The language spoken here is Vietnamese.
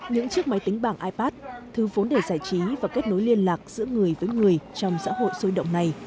những chiếc máy tính bảng ipad thư vốn để giải trí và kết nối liên lạc giữa người với người trong xã hội sôi động này